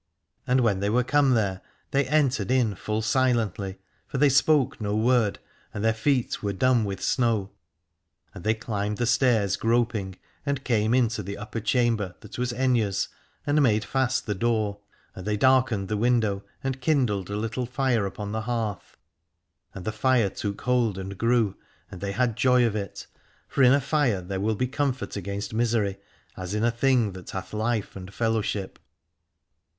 And when they were come there they entered in full silently, for they spoke no word, and their feet were dumb with snow. And they climbed the stairs groping, and came into the upper chamber, that was Aithne's, and made fast the door : and they darkened the window and kindled a little fire upon the hearth. And the fire took hold and grew, and they had joy of it, for in a fire there will be comfort against misery, as in a thing that hath life and fellowship.